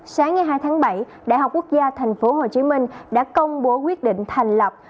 sáng ngày hai tháng bảy đại học quốc gia tp hcm đã công bố quyết định thành lập